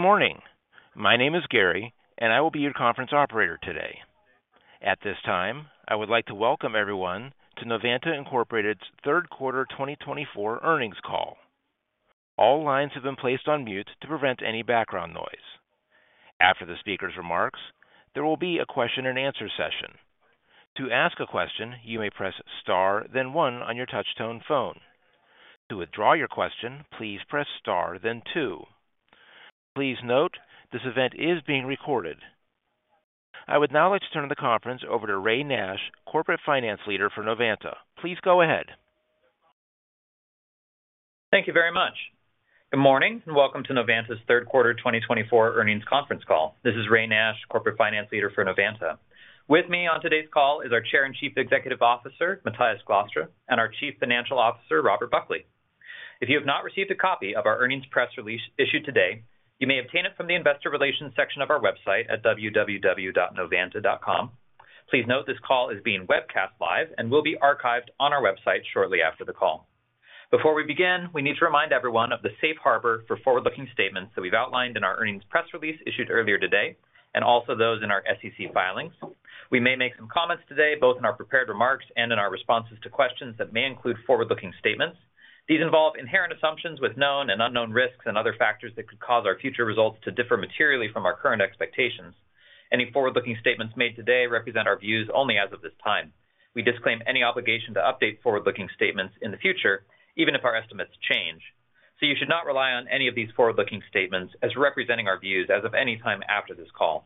Good morning. My name is Gary, and I will be your conference operator today. At this time, I would like to welcome everyone to Novanta Incorporated's Third Quarter 2024 Earnings Call. All lines have been placed on mute to prevent any background noise. After the speaker's remarks, there will be a question-and-answer session. To ask a question, you may press star, then one on your touchtone phone. To withdraw your question, please press star, then two. Please note this event is being recorded. I would now like to turn the conference over to Ray Nash, Corporate Finance Leader for Novanta. Please go ahead. Thank you very much. Good morning and welcome to Novanta's Third Quarter 2024 Earnings Conference Call. This is Ray Nash, Corporate Finance Leader for Novanta. With me on today's call is our Chair and Chief Executive Officer, Matthijs Glastra, and our Chief Financial Officer, Robert Buckley. If you have not received a copy of our earnings press release issued today, you may obtain it from the Investor Relations section of our website at www.novanta.com. Please note this call is being webcast live and will be archived on our website shortly after the call. Before we begin, we need to remind everyone of the safe harbor for forward-looking statements that we've outlined in our earnings press release issued earlier today, and also those in our SEC filings. We may make some comments today, both in our prepared remarks and in our responses to questions that may include forward-looking statements. These involve inherent assumptions with known and unknown risks and other factors that could cause our future results to differ materially from our current expectations. Any forward-looking statements made today represent our views only as of this time. We disclaim any obligation to update forward-looking statements in the future, even if our estimates change. So you should not rely on any of these forward-looking statements as representing our views as of any time after this call.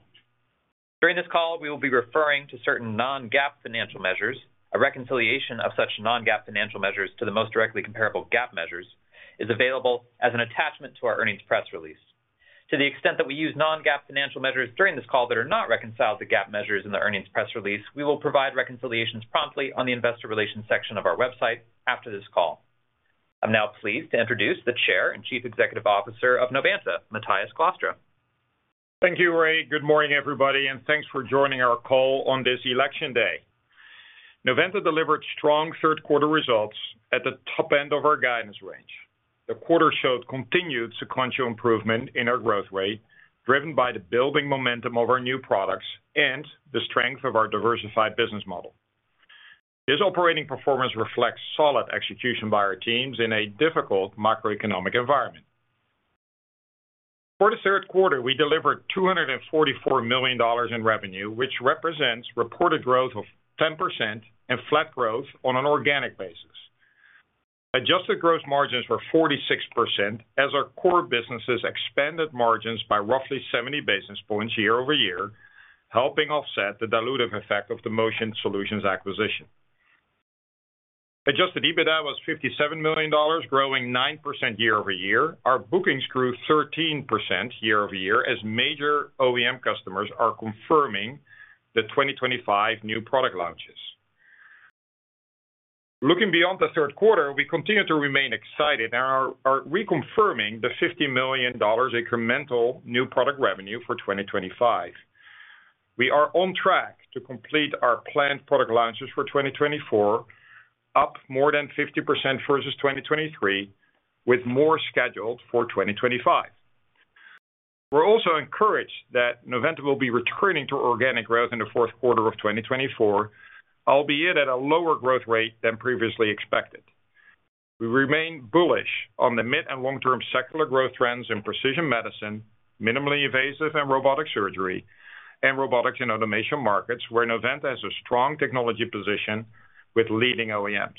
During this call, we will be referring to certain non-GAAP financial measures. A reconciliation of such non-GAAP financial measures to the most directly comparable GAAP measures is available as an attachment to our earnings press release. To the extent that we use non-GAAP financial measures during this call that are not reconciled to GAAP measures in the earnings press release, we will provide reconciliations promptly on the Investor Relations section of our website after this call. I'm now pleased to introduce the Chair and Chief Executive Officer of Novanta, Matthijs Glastra. Thank you, Ray. Good morning, everybody, and thanks for joining our call on this election day. Novanta delivered strong third-quarter results at the top end of our guidance range. The quarter showed continued sequential improvement in our growth rate, driven by the building momentum of our new products and the strength of our diversified business model. This operating performance reflects solid execution by our teams in a difficult macroeconomic environment. For the third quarter, we delivered $244 million in revenue, which represents reported growth of 10% and flat growth on an organic basis. Adjusted gross margins were 46%, as our core businesses expanded margins by roughly 70 basis points year-over-year, helping offset the dilutive effect of the Motion Solutions acquisition. Adjusted EBITDA was $57 million, growing 9% year-over-year. Our bookings grew 13% year-over-year as major OEM customers are confirming the 2025 new product launches. Looking beyond the third quarter, we continue to remain excited and are reconfirming the $50 million incremental new product revenue for 2025. We are on track to complete our planned product launches for 2024, up more than 50% versus 2023, with more scheduled for 2025. We're also encouraged that Novanta will be returning to organic growth in the fourth quarter of 2024, albeit at a lower growth rate than previously expected. We remain bullish on the mid and long-term secular growth trends in precision medicine, minimally invasive and robotic surgery, and robotics and automation markets, where Novanta has a strong technology position with leading OEMs.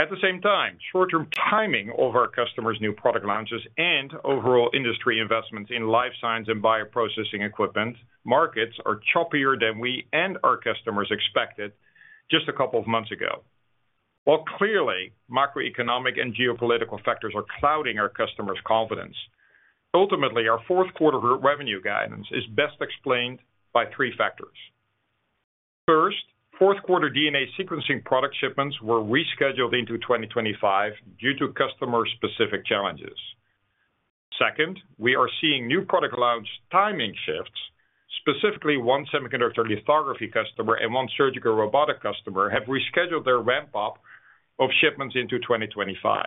At the same time, short-term timing of our customers' new product launches and overall industry investments in life science and bioprocessing equipment markets are choppier than we and our customers expected just a couple of months ago. While clearly macroeconomic and geopolitical factors are clouding our customers' confidence, ultimately, our fourth quarter revenue guidance is best explained by three factors. First, fourth quarter DNA sequencing product shipments were rescheduled into 2025 due to customer-specific challenges. Second, we are seeing new product launch timing shifts. Specifically, one semiconductor lithography customer and one surgical robotic customer have rescheduled their ramp-up of shipments into 2025.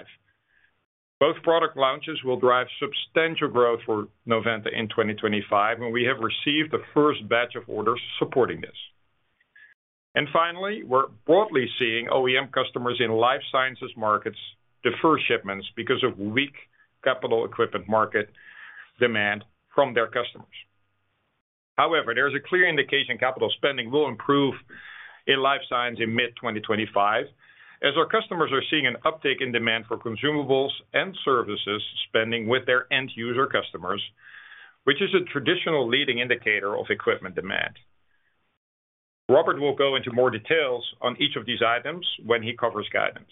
Both product launches will drive substantial growth for Novanta in 2025, and we have received the first batch of orders supporting this. And finally, we're broadly seeing OEM customers in life sciences markets defer shipments because of weak capital equipment market demand from their customers. However, there is a clear indication capital spending will improve in life science in mid-2025, as our customers are seeing an uptick in demand for consumables and services spending with their end-user customers, which is a traditional leading indicator of equipment demand. Robert will go into more details on each of these items when he covers guidance.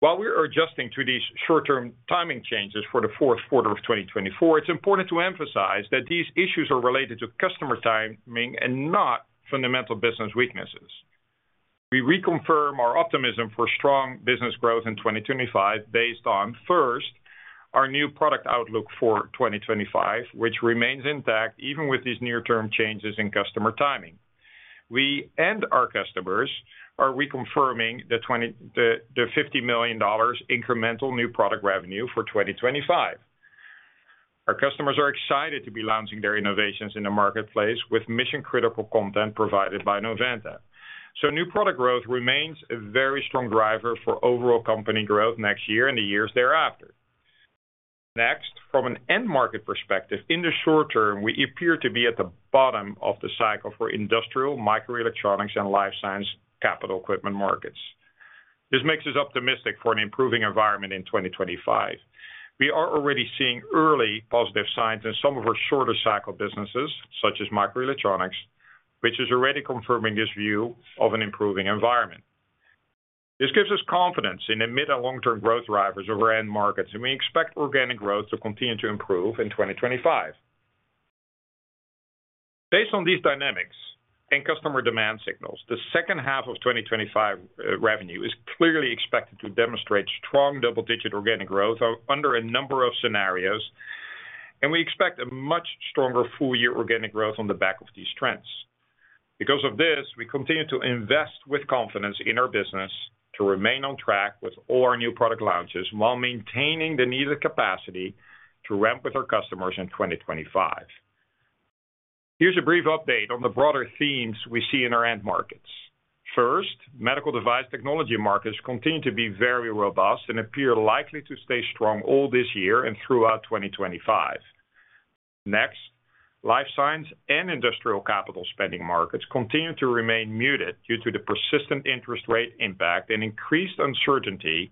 While we are adjusting to these short-term timing changes for the fourth quarter of 2024, it's important to emphasize that these issues are related to customer timing and not fundamental business weaknesses. We reconfirm our optimism for strong business growth in 2025 based on, first, our new product outlook for 2025, which remains intact even with these near-term changes in customer timing. We and our customers are reconfirming the $50 million incremental new product revenue for 2025. Our customers are excited to be launching their innovations in the marketplace with mission-critical content provided by Novanta. So new product growth remains a very strong driver for overall company growth next year and the years thereafter. Next, from an end-market perspective, in the short term, we appear to be at the bottom of the cycle for industrial, microelectronics, and life science capital equipment markets. This makes us optimistic for an improving environment in 2025. We are already seeing early positive signs in some of our shorter-cycle businesses, such as microelectronics, which is already confirming this view of an improving environment. This gives us confidence in the mid and long-term growth drivers of our end markets, and we expect organic growth to continue to improve in 2025. Based on these dynamics and customer demand signals, the second half of 2025 revenue is clearly expected to demonstrate strong double-digit organic growth under a number of scenarios, and we expect a much stronger full-year organic growth on the back of these trends. Because of this, we continue to invest with confidence in our business to remain on track with all our new product launches while maintaining the needed capacity to ramp with our customers in 2025. Here's a brief update on the broader themes we see in our end markets. First, medical device technology markets continue to be very robust and appear likely to stay strong all this year and throughout 2025. Next, life science and industrial capital spending markets continue to remain muted due to the persistent interest rate impact and increased uncertainty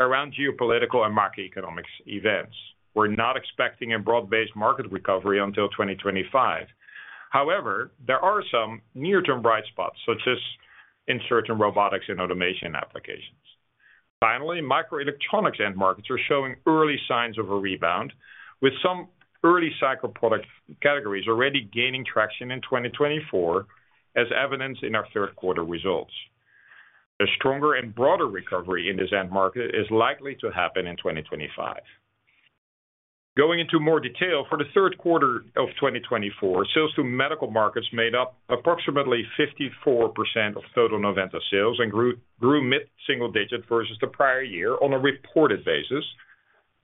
around geopolitical and macroeconomic events. We're not expecting a broad-based market recovery until 2025. However, there are some near-term bright spots, such as in certain robotics and automation applications. Finally, microelectronics end markets are showing early signs of a rebound, with some early-cycle product categories already gaining traction in 2024, as evidenced in our third-quarter results. A stronger and broader recovery in this end market is likely to happen in 2025. Going into more detail, for the third quarter of 2024, sales to medical markets made up approximately 54% of total Novanta sales and grew mid-single-digit versus the prior year on a reported basis,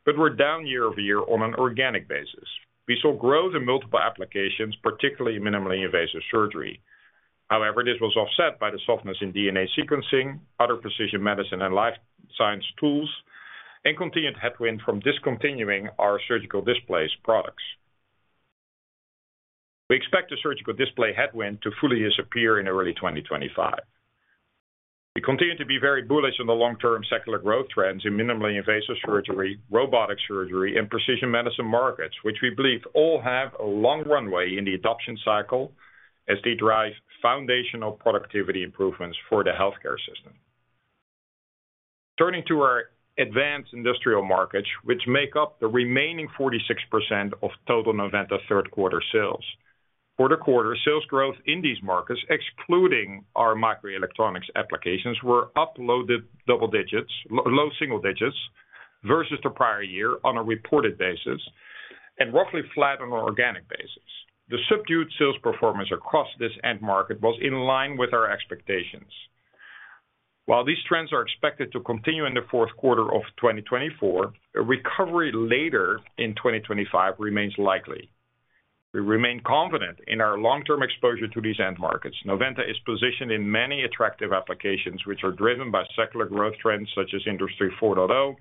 but were down year-over-year on an organic basis. We saw growth in multiple applications, particularly minimally invasive surgery. However, this was offset by the softness in DNA sequencing, other precision medicine, and life science tools, and continued headwinds from discontinuing our surgical display products. We expect the surgical display headwind to fully disappear in early 2025. We continue to be very bullish on the long-term secular growth trends in minimally invasive surgery, robotic surgery, and precision medicine markets, which we believe all have a long runway in the adoption cycle as they drive foundational productivity improvements for the healthcare system. Turning to our advanced industrial markets, which make up the remaining 46% of total Novanta third-quarter sales. For the quarter, sales growth in these markets, excluding our microelectronics applications, were up low single digits versus the prior year on a reported basis and roughly flat on an organic basis. The subdued sales performance across this end market was in line with our expectations. While these trends are expected to continue in the fourth quarter of 2024, a recovery later in 2025 remains likely. We remain confident in our long-term exposure to these end markets. Novanta is positioned in many attractive applications, which are driven by secular growth trends such as Industry 4.0,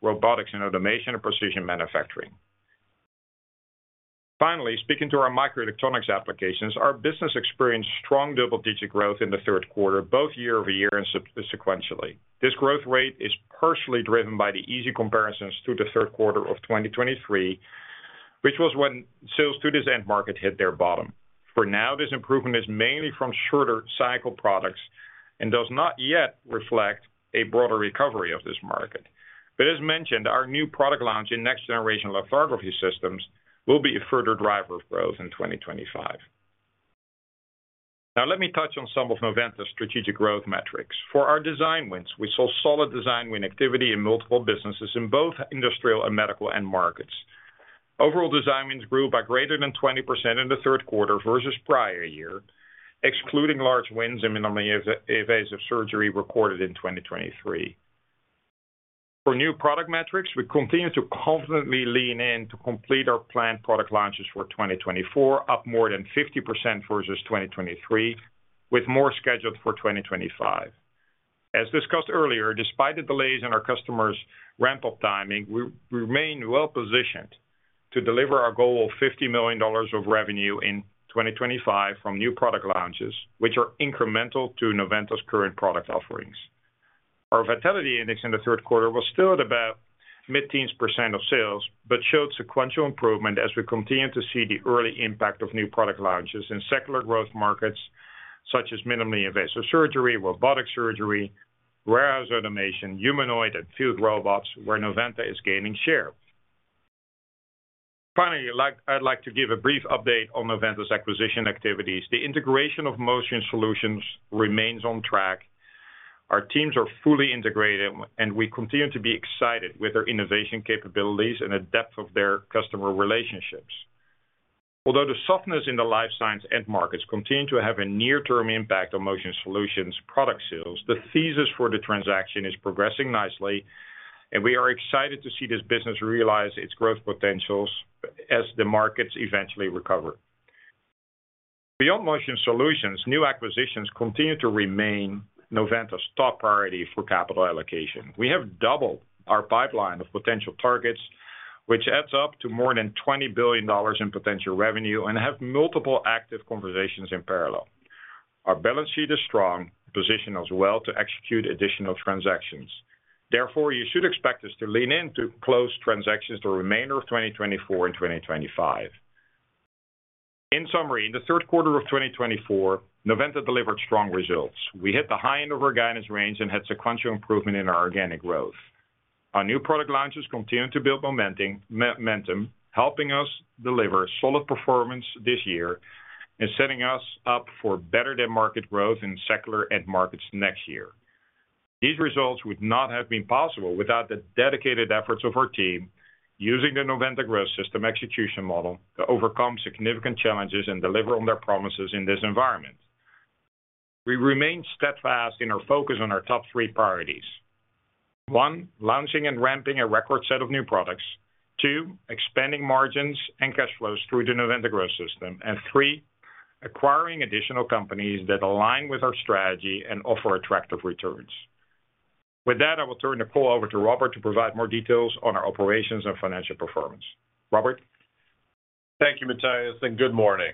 robotics and automation, and precision manufacturing. Finally, speaking to our microelectronics applications, our business experienced strong double-digit growth in the third quarter, both year-over-year and sequentially. This growth rate is partially driven by the easy comparisons to the third quarter of 2023, which was when sales to this end market hit their bottom. For now, this improvement is mainly from shorter-cycle products and does not yet reflect a broader recovery of this market. But as mentioned, our new product launch in next-generation lithography systems will be a further driver of growth in 2025. Now, let me touch on some of Novanta's strategic growth metrics. For our design wins, we saw solid design win activity in multiple businesses in both industrial and medical end markets. Overall design wins grew by greater than 20% in the third quarter versus prior year, excluding large wins in minimally invasive surgery recorded in 2023. For new product metrics, we continue to confidently lean in to complete our planned product launches for 2024, up more than 50% versus 2023, with more scheduled for 2025. As discussed earlier, despite the delays in our customers' ramp-up timing, we remain well-positioned to deliver our goal of $50 million of revenue in 2025 from new product launches, which are incremental to Novanta's current product offerings. Our Vitality Index in the third quarter was still at about mid-teens percent of sales but showed sequential improvement as we continue to see the early impact of new product launches in secular growth markets such as minimally invasive surgery, robotic surgery, warehouse automation, humanoid, and field robots, where Novanta is gaining share. Finally, I'd like to give a brief update on Novanta's acquisition activities. The integration of Motion Solutions remains on track. Our teams are fully integrated, and we continue to be excited with their innovation capabilities and the depth of their customer relationships. Although the softness in the life science end markets continues to have a near-term impact on Motion Solutions' product sales, the thesis for the transaction is progressing nicely, and we are excited to see this business realize its growth potentials as the markets eventually recover. Beyond Motion Solutions, new acquisitions continue to remain Novanta's top priority for capital allocation. We have doubled our pipeline of potential targets, which adds up to more than $20 billion in potential revenue, and have multiple active conversations in parallel. Our balance sheet is strong, positioned us well to execute additional transactions. Therefore, you should expect us to lean into closed transactions the remainder of 2024 and 2025. In summary, in the third quarter of 2024, Novanta delivered strong results. We hit the high end of our guidance range and had sequential improvement in our organic growth. Our new product launches continue to build momentum, helping us deliver solid performance this year and setting us up for better-than-market growth in secular end markets next year. These results would not have been possible without the dedicated efforts of our team using the Novanta Growth System execution model to overcome significant challenges and deliver on their promises in this environment. We remain steadfast in our focus on our top three priorities: one, launching and ramping a record set of new products; two, expanding margins and cash flows through the Novanta Growth System; and three, acquiring additional companies that align with our strategy and offer attractive returns. With that, I will turn the call over to Robert to provide more details on our operations and financial performance. Robert? Thank you, Matthijs, and good morning.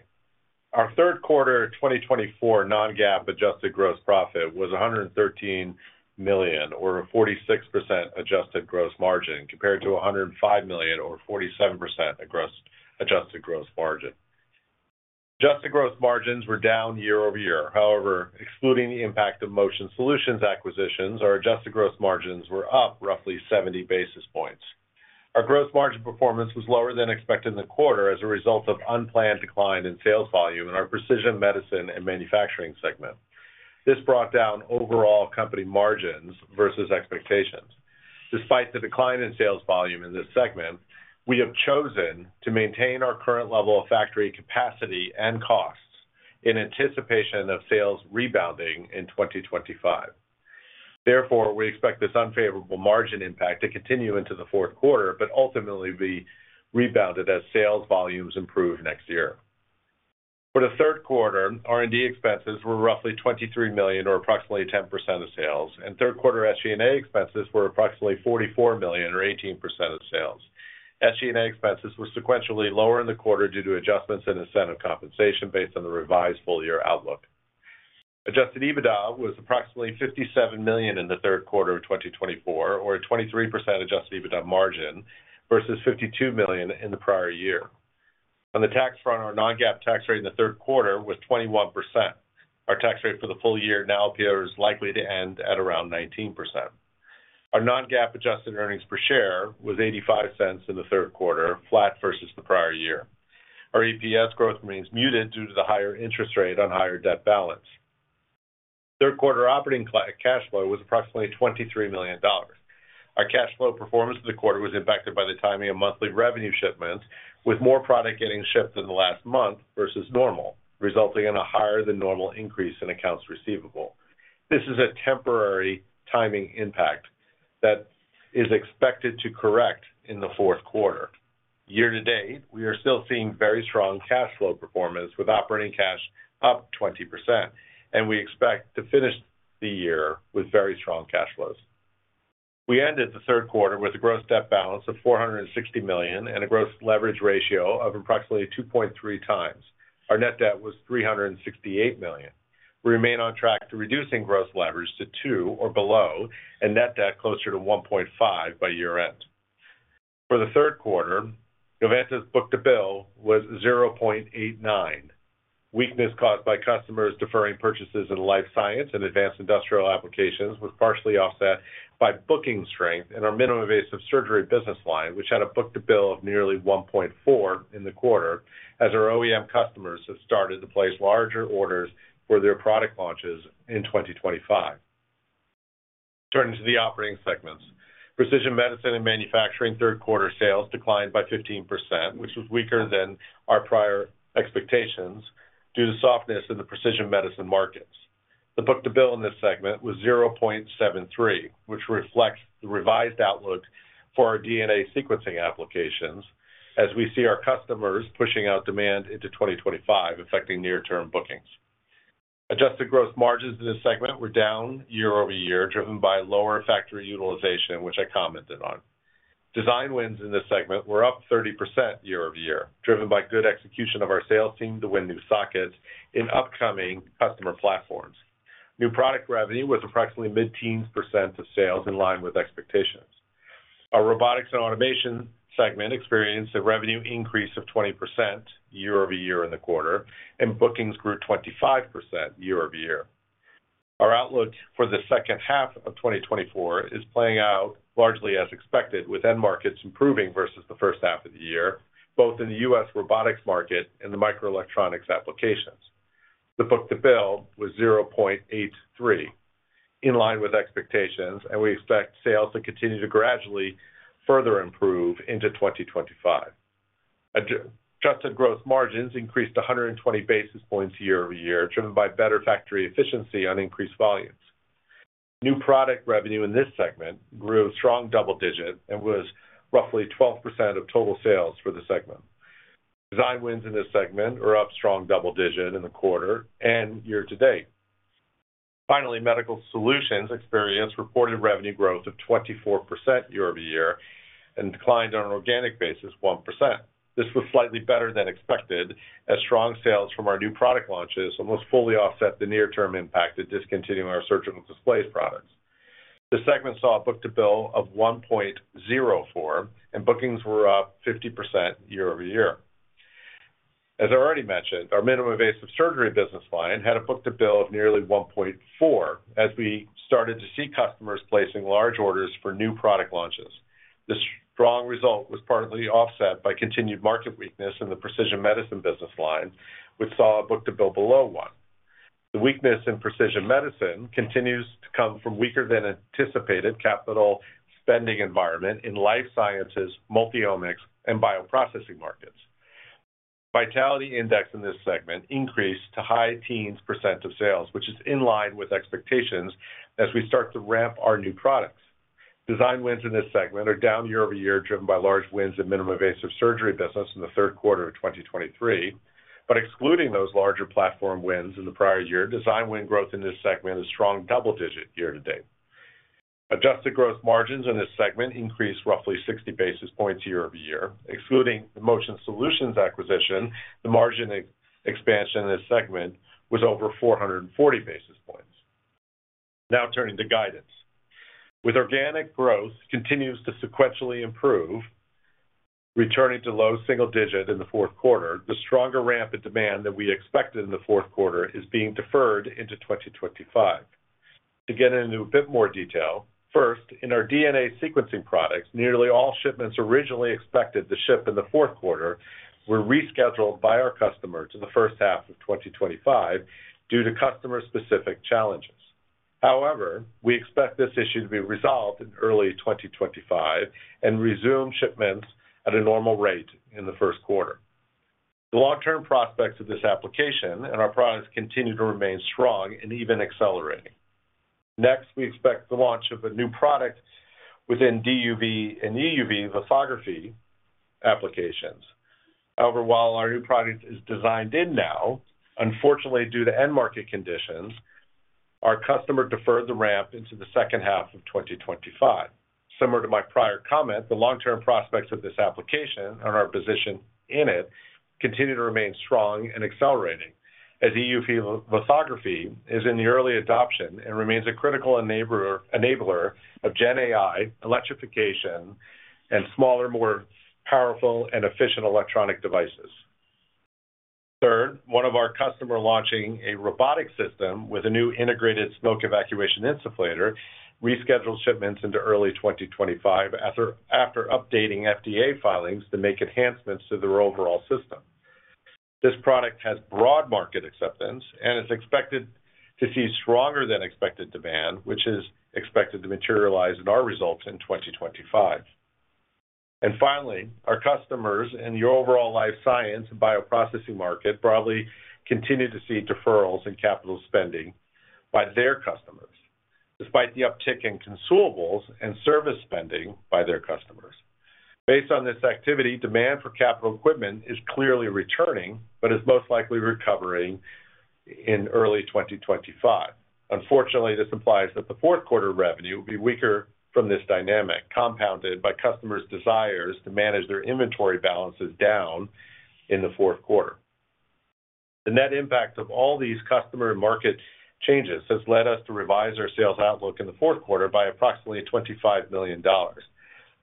Our third quarter 2024 non-GAAP adjusted gross profit was $113 million, or a 46% adjusted gross margin, compared to $105 million, or 47% adjusted gross margin. Adjusted gross margins were down year-over-year. However, excluding the impact of Motion Solutions acquisition, our adjusted gross margins were up roughly 70 basis points. Our gross margin performance was lower than expected in the quarter as a result of unplanned decline in sales volume in our Precision Medicine and Manufacturing segment. This brought down overall company margins versus expectations. Despite the decline in sales volume in this segment, we have chosen to maintain our current level of factory capacity and costs in anticipation of sales rebounding in 2025. Therefore, we expect this unfavorable margin impact to continue into the fourth quarter, but ultimately be rebounded as sales volumes improve next year. For the third quarter, R&D expenses were roughly $23 million, or approximately 10% of sales, and third-quarter SG&A expenses were approximately $44 million, or 18% of sales. SG&A expenses were sequentially lower in the quarter due to adjustments in incentive compensation based on the revised full-year outlook. Adjusted EBITDA was approximately $57 million in the third quarter of 2024, or a 23% Adjusted EBITDA margin versus $52 million in the prior year. On the tax front, our non-GAAP tax rate in the third quarter was 21%. Our tax rate for the full year now appears likely to end at around 19%. Our non-GAAP adjusted earnings per share was $0.85 in the third quarter, flat versus the prior year. Our EPS growth remains muted due to the higher interest rate on higher debt balance. Third-quarter operating cash flow was approximately $23 million. Our cash flow performance for the quarter was impacted by the timing of monthly revenue shipments, with more product getting shipped in the last month versus normal, resulting in a higher-than-normal increase in accounts receivable. This is a temporary timing impact that is expected to correct in the fourth quarter. Year to date, we are still seeing very strong cash flow performance, with operating cash up 20%, and we expect to finish the year with very strong cash flows. We ended the third quarter with a gross debt balance of $460 million and a gross leverage ratio of approximately 2.3x. Our net debt was $368 million. We remain on track to reducing gross leverage to two or below and net debt closer to 1.5 by year-end. For the third quarter, Novanta's book-to-bill was 0.89. Weakness caused by customers deferring purchases in life science and advanced industrial applications was partially offset by booking strength in our minimally invasive surgery business line, which had a book-to-bill of nearly 1.4 in the quarter, as our OEM customers have started to place larger orders for their product launches in 2025. Turning to the operating segments, Precision Medicine and Manufacturing third-quarter sales declined by 15%, which was weaker than our prior expectations due to softness in the precision medicine markets. The book-to-bill in this segment was 0.73, which reflects the revised outlook for our DNA sequencing applications, as we see our customers pushing out demand into 2025, affecting near-term bookings. Adjusted gross margins in this segment were down year-over-year, driven by lower factory utilization, which I commented on. Design wins in this segment were up 30% year-over-year, driven by good execution of our sales team to win new sockets in upcoming customer platforms. New product revenue was approximately mid-teens percent of sales, in line with expectations. Our Robotics and Automation segment experienced a revenue increase of 20% year-over-year in the quarter, and bookings grew 25% year-over-year. Our outlook for the second half of 2024 is playing out largely as expected, with end markets improving versus the first half of the year, both in the U.S. robotics market and the microelectronics applications. The book-to-bill was 0.83, in line with expectations, and we expect sales to continue to gradually further improve into 2025. Adjusted gross margins increased to 120 basis points year-over-year, driven by better factory efficiency on increased volumes. New product revenue in this segment grew a strong double digit and was roughly 12% of total sales for the segment. Design wins in this segment are up a strong double digit in the quarter and year to date. Finally, Medical Solutions experienced reported revenue growth of 24% year-over-year and declined on an organic basis 1%. This was slightly better than expected, as strong sales from our new product launches almost fully offset the near-term impact of discontinuing our surgical display products. The segment saw a book-to-bill of 1.04, and bookings were up 50% year-over-year. As I already mentioned, our minimally invasive surgery business line had a book-to-bill of nearly 1.4, as we started to see customers placing large orders for new product launches. This strong result was partly offset by continued market weakness in the precision medicine business line, which saw a book-to-bill below 1. The weakness in precision medicine continues to come from weaker-than-anticipated capital spending environment in life sciences, multi-omics, and bioprocessing markets. Vitality Index in this segment increased to high teens percent of sales, which is in line with expectations as we start to ramp our new products. Design wins in this segment are down year-over-year, driven by large wins in minimally invasive surgery business in the third quarter of 2023. But excluding those larger platform wins in the prior year, design win growth in this segment is a strong double digit year to date. Adjusted gross margins in this segment increased roughly 60 basis points year-over-year. Excluding the Motion Solutions acquisition, the margin expansion in this segment was over 440 basis points. Now, turning to guidance. With organic growth continuing to sequentially improve, returning to low single digit in the fourth quarter, the stronger ramp in demand that we expected in the fourth quarter is being deferred into 2025. To get into a bit more detail, first, in our DNA sequencing products, nearly all shipments originally expected to ship in the fourth quarter were rescheduled by our customer to the first half of 2025 due to customer-specific challenges. However, we expect this issue to be resolved in early 2025 and resume shipments at a normal rate in the first quarter. The long-term prospects of this application and our products continue to remain strong and even accelerating. Next, we expect the launch of a new product within DUV and EUV lithography applications. However, while our new product is designed in now, unfortunately, due to end market conditions, our customer deferred the ramp into the second half of 2025. Similar to my prior comment, the long-term prospects of this application and our position in it continue to remain strong and accelerating, as EUV lithography is in the early adoption and remains a critical enabler of GenAI, electrification, and smaller, more powerful, and efficient electronic devices. Third, one of our customers launching a robotic system with a new integrated smoke evacuation insufflator rescheduled shipments into early 2025 after updating FDA filings to make enhancements to their overall system. This product has broad market acceptance and is expected to see stronger-than-expected demand, which is expected to materialize in our results in 2025, and finally, our customers in the overall life science and bioprocessing market broadly continue to see deferrals in capital spending by their customers, despite the uptick in consumables and service spending by their customers. Based on this activity, demand for capital equipment is clearly returning but is most likely recovering in early 2025. Unfortunately, this implies that the fourth quarter revenue will be weaker from this dynamic, compounded by customers' desires to manage their inventory balances down in the fourth quarter. The net impact of all these customer and market changes has led us to revise our sales outlook in the fourth quarter by approximately $25 million.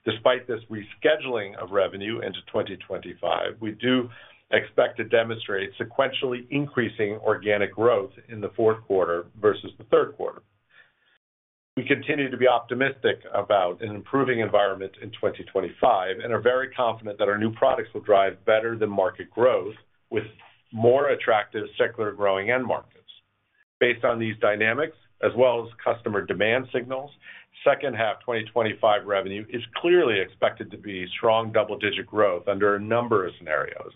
Despite this rescheduling of revenue into 2025, we do expect to demonstrate sequentially increasing organic growth in the fourth quarter versus the third quarter. We continue to be optimistic about an improving environment in 2025 and are very confident that our new products will drive better-than-market growth with more attractive secular growing end markets. Based on these dynamics, as well as customer demand signals, second-half 2025 revenue is clearly expected to be strong double-digit growth under a number of scenarios,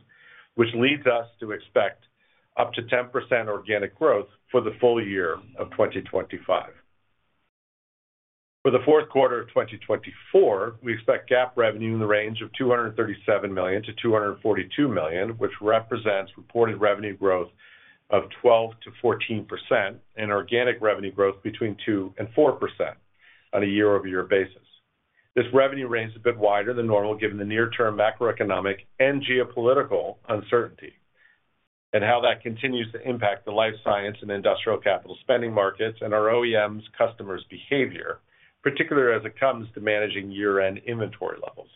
which leads us to expect up to 10% organic growth for the full year of 2025. For the fourth quarter of 2024, we expect GAAP revenue in the range of $237 million-$242 million, which represents reported revenue growth of 12%-14% and organic revenue growth between 2% and 4% on a year-over-year basis. This revenue range is a bit wider than normal, given the near-term macroeconomic and geopolitical uncertainty and how that continues to impact the life science and industrial capital spending markets and our OEMs' customers' behavior, particularly as it comes to managing year-end inventory levels.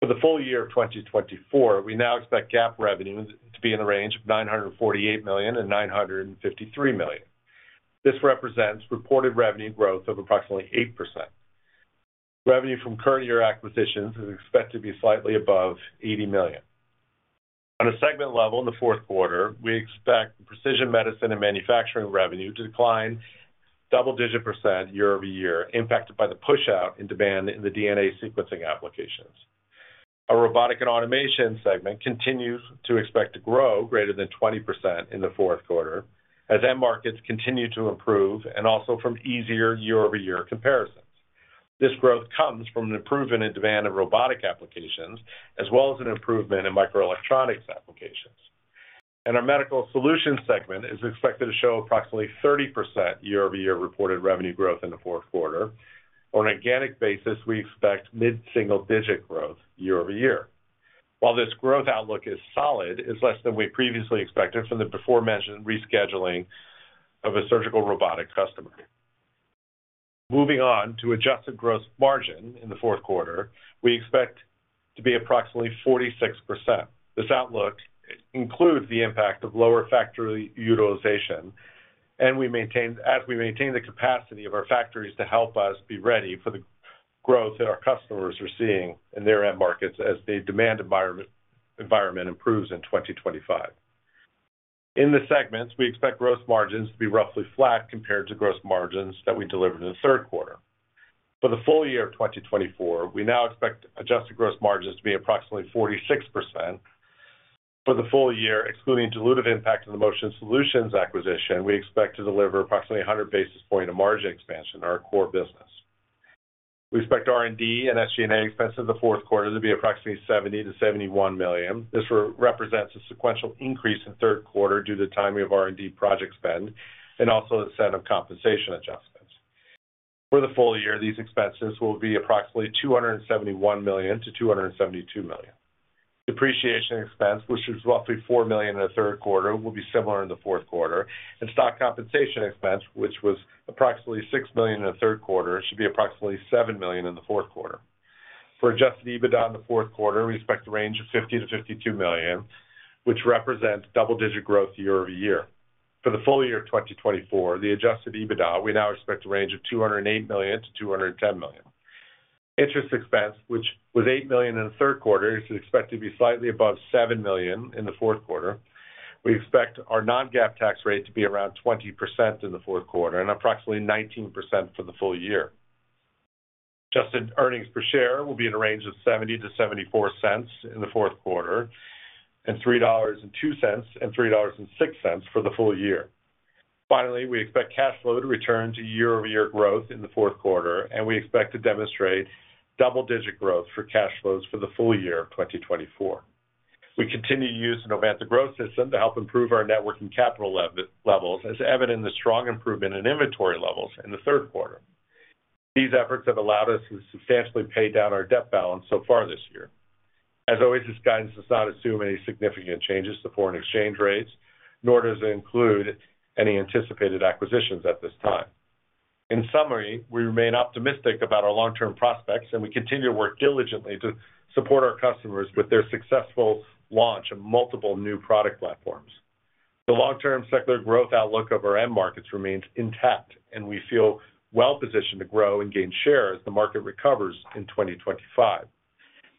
For the full year of 2024, we now expect GAAP revenue to be in the range of $948 million-$953 million. This represents reported revenue growth of approximately 8%. Revenue from current-year acquisitions is expected to be slightly above $80 million. On a segment level in the fourth quarter, we expect Precision Medicine and Manufacturing revenue to decline double-digit percent year-over-year, impacted by the push-out in demand in the DNA Sequencing applications. Our Robotics and Automation segment continues to expect to grow greater than 20% in the fourth quarter, as end markets continue to improve and also from easier year-over-year comparisons. This growth comes from an improvement in demand of robotic applications, as well as an improvement in microelectronics applications. Our Medical Solutions segment is expected to show approximately 30% year-over-year reported revenue growth in the fourth quarter. On an organic basis, we expect mid-single-digit growth year-over-year. While this growth outlook is solid, it's less than we previously expected from the before-mentioned rescheduling of a surgical robotic customer. Moving on to adjusted gross margin in the fourth quarter, we expect to be approximately 46%. This outlook includes the impact of lower factory utilization, and we maintain the capacity of our factories to help us be ready for the growth that our customers are seeing in their end markets as the demand environment improves in 2025. In the segments, we expect gross margins to be roughly flat compared to gross margins that we delivered in the third quarter. For the full year of 2024, we now expect adjusted gross margins to be approximately 46%. For the full year, excluding diluted impact of the Motion Solutions acquisition, we expect to deliver approximately 100 basis points of margin expansion in our core business. We expect R&D and SG&A expenses in the fourth quarter to be approximately $70 million-$71 million. This represents a sequential increase in the third quarter due to the timing of R&D project spend and also the set of compensation adjustments. For the full year, these expenses will be approximately $271 million-$272 million. Depreciation expense, which was roughly $4 million in the third quarter, will be similar in the fourth quarter, and stock compensation expense, which was approximately $6 million in the third quarter, should be approximately $7 million in the fourth quarter. For Adjusted EBITDA in the fourth quarter, we expect a range of $50 million-$52 million, which represents double-digit growth year-over-year. For the full year of 2024, the Adjusted EBITDA, we now expect a range of $208 million-$210 million. Interest expense, which was $8 million in the third quarter, is expected to be slightly above $7 million in the fourth quarter. We expect our non-GAAP tax rate to be around 20% in the fourth quarter and approximately 19% for the full year. Adjusted earnings per share will be in a range of $0.70-$0.74 in the fourth quarter and $3.02-$3.06 for the full year. Finally, we expect cash flow to return to year-over-year growth in the fourth quarter, and we expect to demonstrate double-digit growth for cash flows for the full year of 2024. We continue to use the Novanta Growth System to help improve our net working capital levels, as evident in the strong improvement in inventory levels in the third quarter. These efforts have allowed us to substantially pay down our debt balance so far this year. As always, this guidance does not assume any significant changes to foreign exchange rates, nor does it include any anticipated acquisitions at this time. In summary, we remain optimistic about our long-term prospects, and we continue to work diligently to support our customers with their successful launch of multiple new product platforms. The long-term secular growth outlook of our end markets remains intact, and we feel well-positioned to grow and gain share as the market recovers in 2025.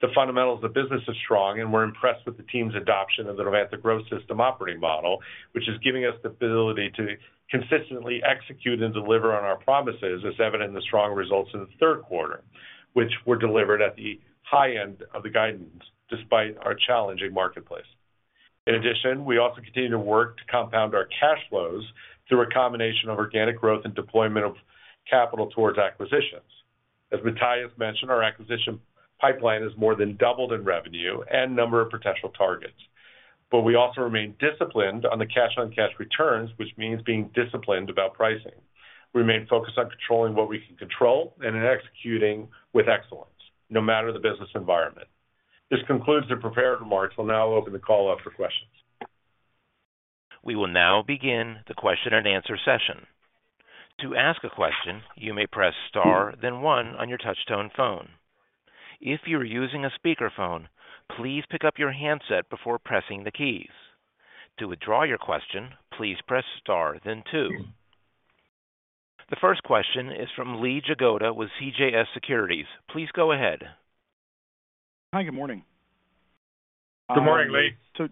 The fundamentals of business are strong, and we're impressed with the team's adoption of the Novanta Growth System operating model, which is giving us the ability to consistently execute and deliver on our promises, as evident in the strong results in the third quarter, which were delivered at the high end of the guidance despite our challenging marketplace. In addition, we also continue to work to compound our cash flows through a combination of organic growth and deployment of capital towards acquisitions. As Matthijs mentioned, our acquisition pipeline has more than doubled in revenue and number of potential targets. But we also remain disciplined on the cash-on-cash returns, which means being disciplined about pricing. We remain focused on controlling what we can control and executing with excellence, no matter the business environment. This concludes the prepared remarks. I'll now open the call up for questions. We will now begin the question-and-answer session. To ask a question, you may press star, then one on your touch-tone phone. If you are using a speakerphone, please pick up your handset before pressing the keys. To withdraw your question, please press star, then two. The first question is from Lee Jagoda with CJS Securities. Please go ahead. Hi. Good morning. Good morning, Lee.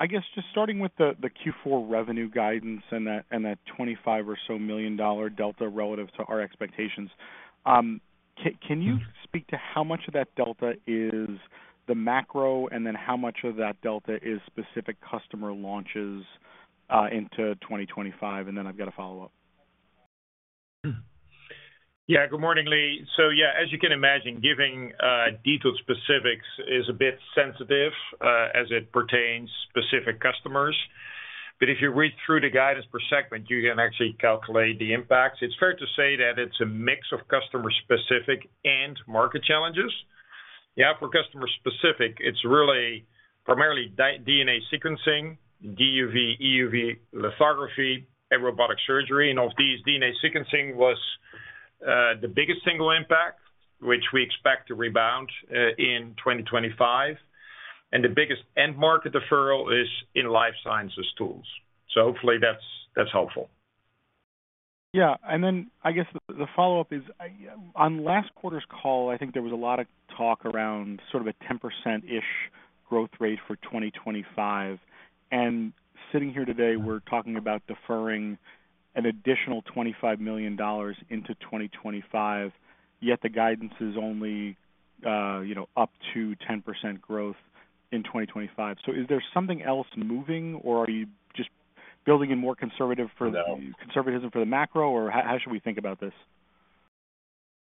I guess just starting with the Q4 revenue guidance and that $25 or so million delta relative to our expectations, can you speak to how much of that delta is the macro and then how much of that delta is specific customer launches into 2025? And then I've got a follow-up. Yeah. Good morning, Lee. So yeah, as you can imagine, giving detailed specifics is a bit sensitive as it pertains to specific customers. But if you read through the guidance per segment, you can actually calculate the impacts. It's fair to say that it's a mix of customer-specific and market challenges. Yeah, for customer-specific, it's really primarily DNA sequencing, DUV, EUV lithography, and robotic surgery. And of these, DNA sequencing was the biggest single impact, which we expect to rebound in 2025. And the biggest end market deferral is in life sciences tools. So hopefully, that's helpful. Yeah. And then I guess the follow-up is, on last quarter's call, I think there was a lot of talk around sort of a 10%-ish growth rate for 2025. And sitting here today, we're talking about deferring an additional $25 million into 2025, yet the guidance is only up to 10% growth in 2025. So is there something else moving, or are you just building in more conservatism for the macro, or how should we think about this?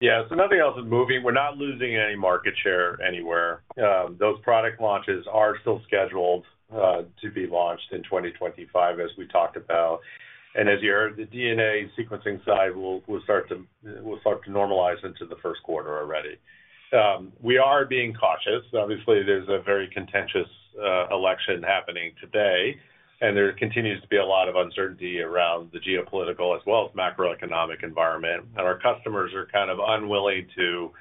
Yeah. So nothing else is moving. We're not losing any market share anywhere. Those product launches are still scheduled to be launched in 2025, as we talked about. And as you heard, the DNA sequencing side will start to normalize into the first quarter already. We are being cautious. Obviously, there's a very contentious election happening today, and there continues to be a lot of uncertainty around the geopolitical as well as macroeconomic environment, and our customers are kind of unwilling to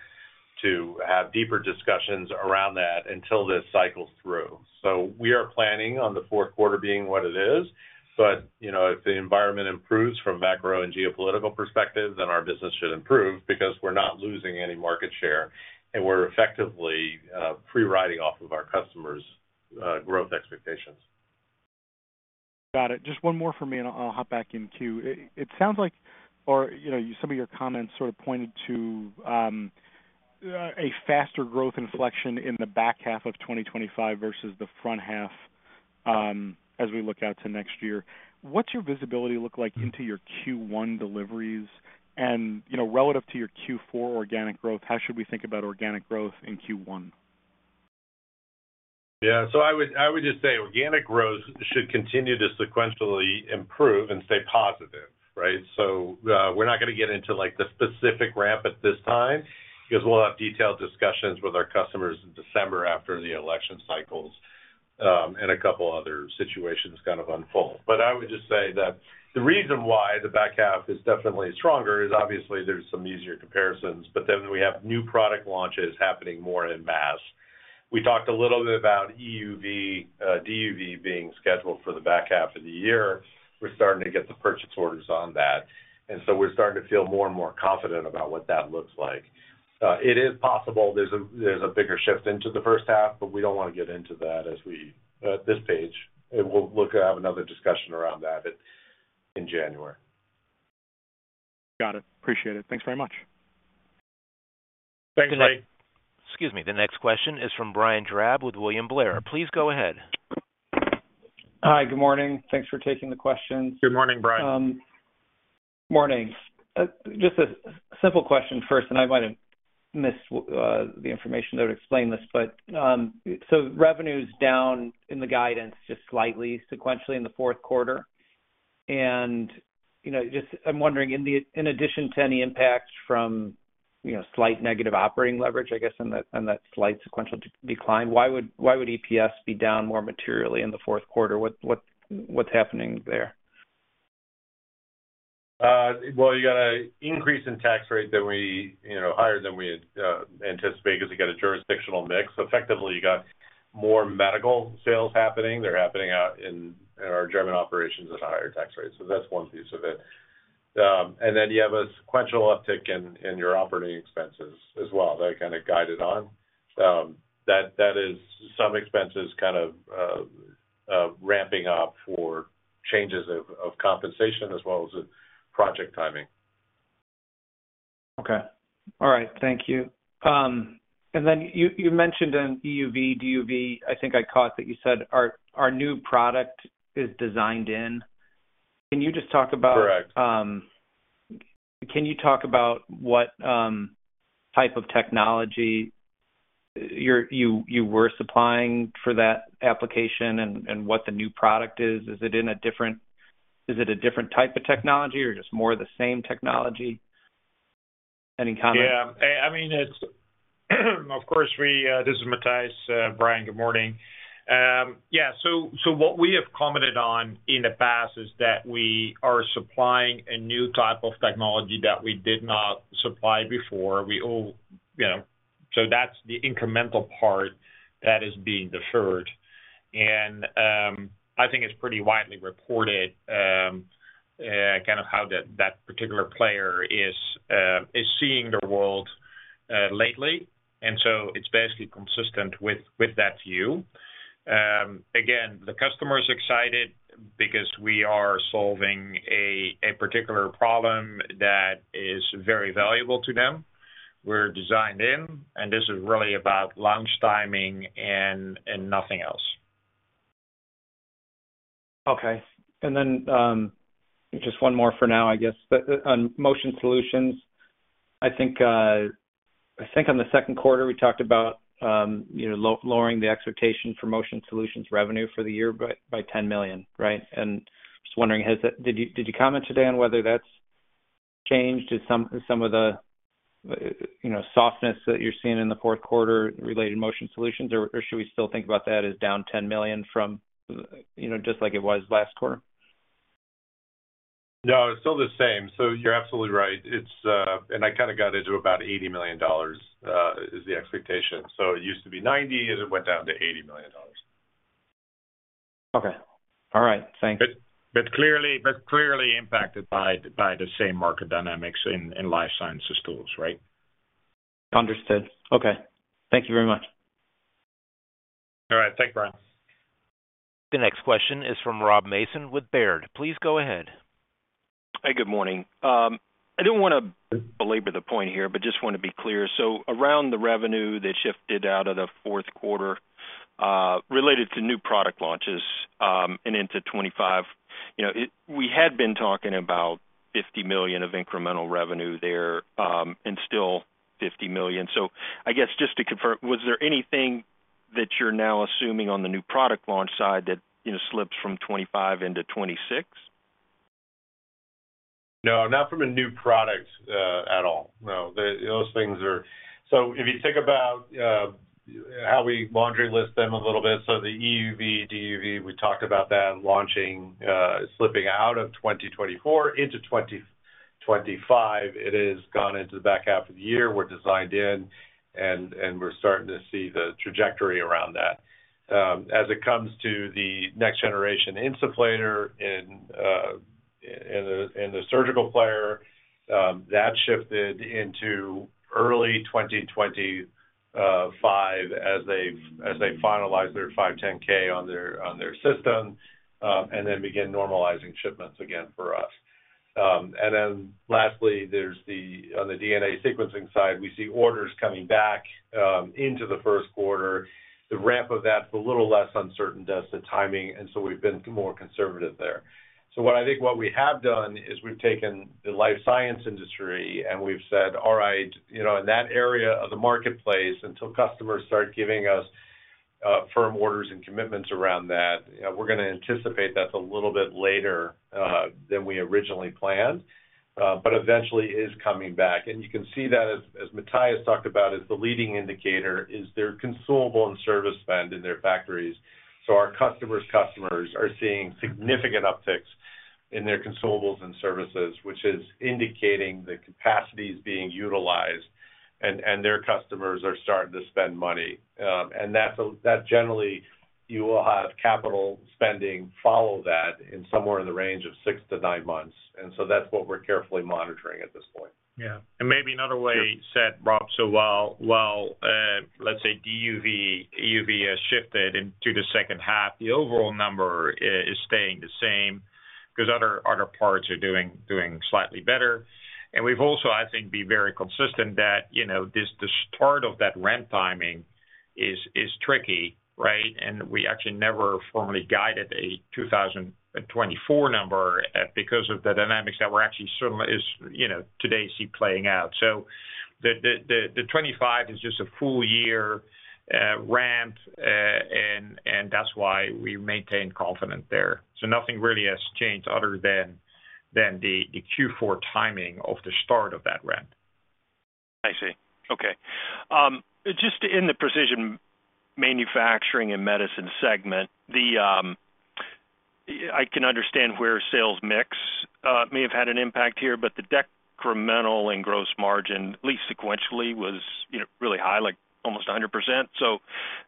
have deeper discussions around that until this cycle's through, so we are planning on the fourth quarter being what it is, but if the environment improves from macro and geopolitical perspective, then our business should improve because we're not losing any market share, and we're effectively free-riding off of our customers' growth expectations. Got it. Just one more for me, and I'll hop back in too. It sounds like some of your comments sort of pointed to a faster growth inflection in the back half of 2025 versus the front half as we look out to next year. What's your visibility look like into your Q1 deliveries? Relative to your Q4 organic growth, how should we think about organic growth in Q1? Yeah. So I would just say organic growth should continue to sequentially improve and stay positive, right? So we're not going to get into the specific ramp at this time because we'll have detailed discussions with our customers in December after the election cycles and a couple of other situations kind of unfold. But I would just say that the reason why the back half is definitely stronger is obviously there's some easier comparisons, but then we have new product launches happening more in mass. We talked a little bit about EUV, DUV being scheduled for the back half of the year. We're starting to get the purchase orders on that. And so we're starting to feel more and more confident about what that looks like. It is possible there's a bigger shift into the first half, but we don't want to get into that as we at this page. We'll have another discussion around that in January. Got it. Appreciate it. Thanks very much. Thanks, Lee. Excuse me. The next question is from Brian Drab with William Blair. Please go ahead. Hi. Good morning. Thanks for taking the questions. Good morning, Brian. Morning. Just a simple question first, and I might have missed the information that would explain this, but so revenue's down in the guidance just slightly, sequentially in the fourth quarter. And just I'm wondering, in addition to any impact from slight negative operating leverage, I guess, and that slight sequential decline, why would EPS be down more materially in the fourth quarter? What's happening there? You got an increase in tax rate that was higher than we anticipated because you got a jurisdictional mix. Effectively, you got more medical sales happening. They're happening in our German operations at a higher tax rate. So that's one piece of it. Then you have a sequential uptick in your operating expenses as well that kind of guided on. That is some expenses kind of ramping up for changes in compensation as well as project timing. Okay. All right. Thank you. Then you mentioned an EUV, DUV. I think I caught that you said our new product is designed in. Can you just talk about? Correct. Can you talk about what type of technology you were supplying for that application and what the new product is? Is it a different type of technology or just more the same technology? Any comments? Yeah. I mean, of course, this is Matthijs. Brian, good morning. Yeah. So what we have commented on in the past is that we are supplying a new type of technology that we did not supply before. So that's the incremental part that is being deferred. And I think it's pretty widely reported kind of how that particular player is seeing the world lately. And so it's basically consistent with that view. Again, the customer is excited because we are solving a particular problem that is very valuable to them. We're designed in, and this is really about launch timing and nothing else. Okay. And then just one more for now, I guess. On Motion Solutions, I think on the second quarter, we talked about lowering the expectation for Motion Solutions revenue for the year by $10 million, right? And just wondering, did you comment today on whether that's changed? Is some of the softness that you're seeing in the fourth quarter related to Motion Solutions, or should we still think about that as down $10 million from just like it was last quarter? No, it's still the same. So you're absolutely right. And I kind of got into about $80 million is the expectation. So it used to be $90 million, and it went down to $80 million. Okay. All right. Thanks. But clearly impacted by the same market dynamics in life sciences tools, right? Understood. Okay. Thank you very much. All right. Thanks, Brian. The next question is from Rob Mason with Baird. Please go ahead. Hey, good morning. I don't want to belabor the point here, but just want to be clear. So around the revenue that shifted out of the fourth quarter related to new product launches and into 2025, we had been talking about $50 million of incremental revenue there and still $50 million. So I guess just to confirm, was there anything that you're now assuming on the new product launch side that slips from 2025 into 2026? No, not from a new product at all. No. Those things are so if you think about how we laundry list them a little bit, so the EUV, DUV, we talked about that launching slipping out of 2024 into 2025. It has gone into the back half of the year. We're designed in, and we're starting to see the trajectory around that. As it comes to the next generation insufflator and the surgical player, that shifted into early 2025 as they finalize their 510(k) on their system and then begin normalizing shipments again for us. Then lastly, on the DNA sequencing side, we see orders coming back into the first quarter. The ramp of that's a little less uncertain as to timing, and so we've been more conservative there. I think what we have done is we've taken the life science industry and we've said, "All right, in that area of the marketplace, until customers start giving us firm orders and commitments around that, we're going to anticipate that's a little bit later than we originally planned, but eventually is coming back." You can see that, as Matthijs talked about, as the leading indicator is their consumable and service spend in their factories. Our customers' customers are seeing significant upticks in their consumables and services, which is indicating the capacity is being utilized, and their customers are starting to spend money. And that generally, you will have capital spending follow that in somewhere in the range of six to nine months. And so that's what we're carefully monitoring at this point. Yeah. And maybe another way to say, Rob, so well, let's say DUV has shifted into the second half. The overall number is staying the same because other parts are doing slightly better. And we've also, I think, been very consistent that the start of that ramp timing is tricky, right? And we actually never formally guided a 2024 number because of the dynamics that we're actually seeing today certainly playing out. So the 2025 is just a full-year ramp, and that's why we maintain confidence there. So nothing really has changed other than the Q4 timing of the start of that ramp. I see. Okay. Just in the Precision Medicine and Manufacturing segment, I can understand where sales mix may have had an impact here, but the decremental in gross margin, at least sequentially, was really high, like almost 100%. So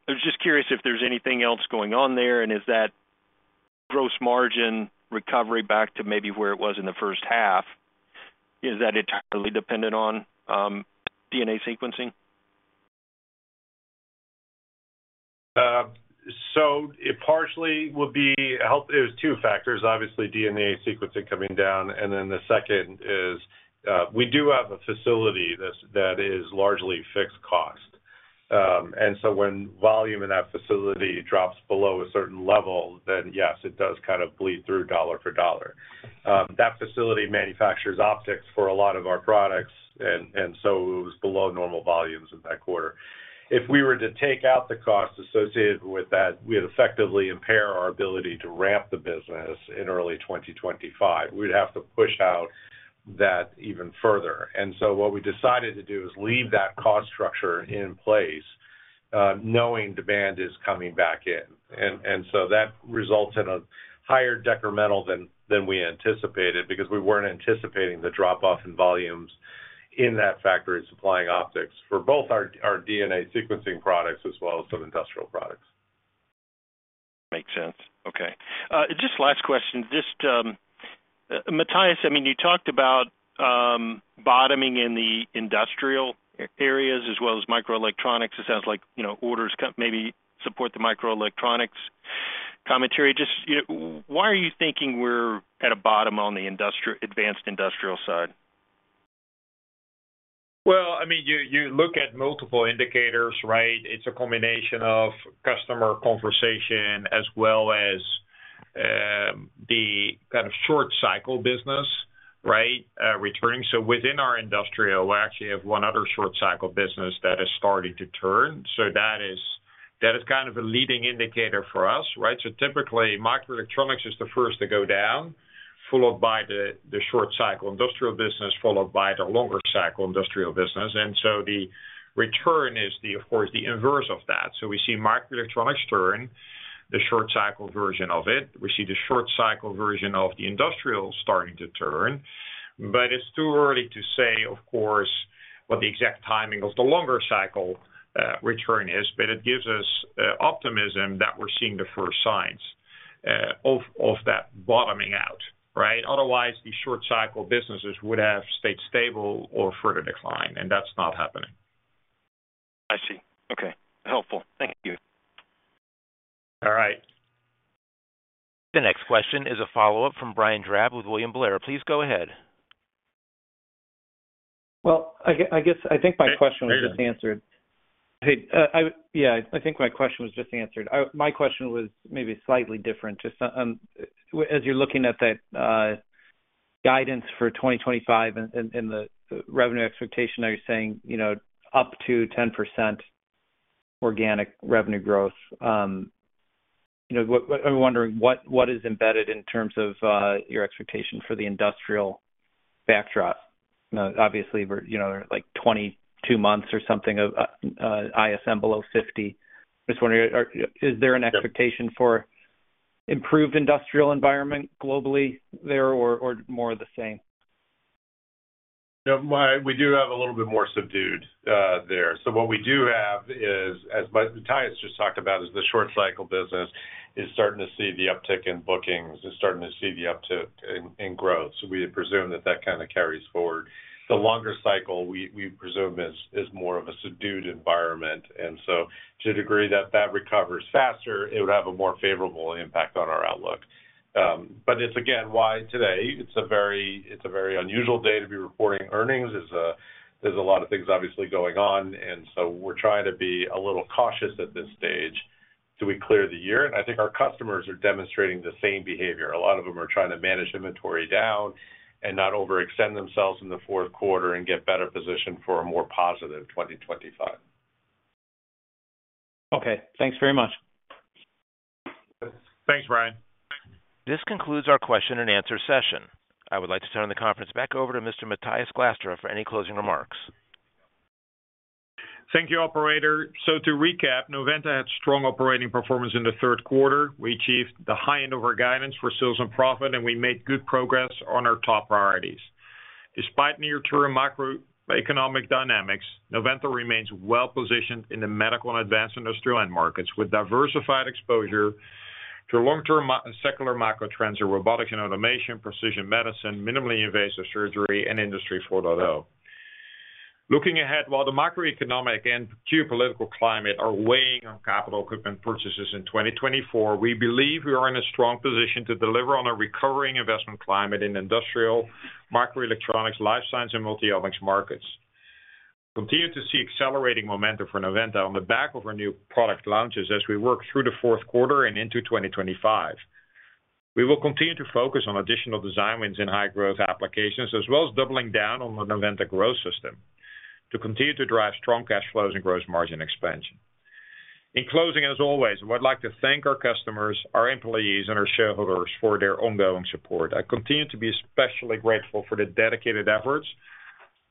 I was just curious if there's anything else going on there, and is that gross margin recovery back to maybe where it was in the first half, is that entirely dependent on DNA sequencing? So it partially would be helped. It was two factors, obviously, DNA sequencing coming down. And then the second is we do have a facility that is largely fixed cost. And so when volume in that facility drops below a certain level, then yes, it does kind of bleed through dollar for dollar. That facility manufactures optics for a lot of our products, and so it was below normal volumes in that quarter. If we were to take out the cost associated with that, we would effectively impair our ability to ramp the business in early 2025. We'd have to push out that even further. And so what we decided to do is leave that cost structure in place, knowing demand is coming back in. And so that results in a higher decremental than we anticipated because we weren't anticipating the drop-off in volumes in that factory supplying optics for both our DNA sequencing products as well as some industrial products. Makes sense. Okay. Just last question. Just Matthijs, I mean, you talked about bottoming in the industrial areas as well as microelectronics. It sounds like orders maybe support the microelectronics commentary. Just why are you thinking we're at a bottom on the advanced industrial side? Well, I mean, you look at multiple indicators, right? It's a combination of customer conversation as well as the kind of short-cycle business, right, returning. So within our industrial, we actually have one other short-cycle business that is starting to turn. So that is kind of a leading indicator for us, right? So typically, microelectronics is the first to go down, followed by the short-cycle industrial business, followed by the longer-cycle industrial business. And so the return is, of course, the inverse of that. So we see microelectronics turn, the short-cycle version of it. We see the short-cycle version of the industrial starting to turn. But it's too early to say, of course, what the exact timing of the longer-cycle return is, but it gives us optimism that we're seeing the first signs of that bottoming out, right? Otherwise, the short-cycle businesses would have stayed stable or further decline, and that's not happening. I see. Okay. Helpful. Thank you. All right. The next question is a follow-up from Brian Drab with William Blair. Please go ahead. Well, I guess I think my question was just answered. Hey. Yeah. I think my question was just answered. My question was maybe slightly different. Just as you're looking at that guidance for 2025 and the revenue expectation that you're saying up to 10% organic revenue growth, I'm wondering what is embedded in terms of your expectation for the industrial backdrop. Obviously, there are like 22 months or something of ISM below 50. Just wondering, is there an expectation for improved industrial environment globally there or more of the same? We do have a little bit more subdued there. So what we do have is, as Matthijs just talked about, is the short-cycle business is starting to see the uptick in bookings and starting to see the uptick in growth. So we presume that that kind of carries forward. The longer cycle, we presume, is more of a subdued environment. And so to the degree that that recovers faster, it would have a more favorable impact on our outlook. But it's, again, wild today. It's a very unusual day to be reporting earnings. There's a lot of things, obviously, going on. And so we're trying to be a little cautious at this stage till we clear the year. And I think our customers are demonstrating the same behavior. A lot of them are trying to manage inventory down and not overextend themselves in the fourth quarter and get better positioned for a more positive 2025. Okay. Thanks very much. Thanks, Brian. This concludes our question-and-answer session. I would like to turn the conference back over to Mr. Matthijs Glastra for any closing remarks. Thank you, Operator. So to recap, Novanta had strong operating performance in the third quarter. We achieved the high end of our guidance for sales and profit, and we made good progress on our top priorities. Despite near-term macroeconomic dynamics, Novanta remains well-positioned in the medical and advanced industrial end markets with diversified exposure to long-term secular macro trends in robotics and automation, precision medicine, minimally invasive surgery, and Industry 4.0. Looking ahead, while the macroeconomic and geopolitical climate are weighing on capital equipment purchases in 2024, we believe we are in a strong position to deliver on a recovering investment climate in industrial, microelectronics, life science, and multi-omics markets. We'll continue to see accelerating momentum for Novanta on the back of our new product launches as we work through the fourth quarter and into 2025. We will continue to focus on additional design wins in high-growth applications as well as doubling down on the Novanta Growth System to continue to drive strong cash flows and gross margin expansion. In closing, as always, I would like to thank our customers, our employees, and our shareholders for their ongoing support. I continue to be especially grateful for the dedicated efforts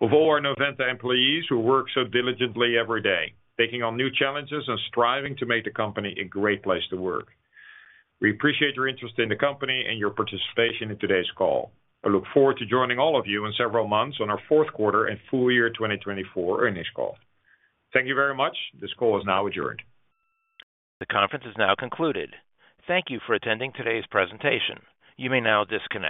of all our Novanta employees who work so diligently every day, taking on new challenges and striving to make the company a great place to work. We appreciate your interest in the company and your participation in today's call. I look forward to joining all of you in several months on our fourth quarter and full-year 2024 earnings call. Thank you very much. This call is now adjourned. The conference is now concluded. Thank you for attending today's presentation. You may now disconnect.